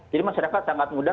jadi masyarakat sangat mudah